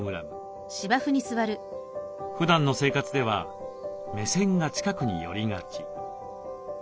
ふだんの生活では目線が近くに寄りがち。